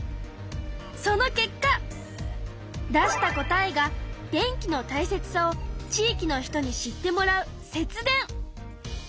その結果出した答えが電気のたいせつさを「地域の人に知ってもらう節電」。